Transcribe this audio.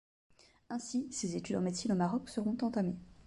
Ainsi, ses études en médecine au Maroc seront entamées.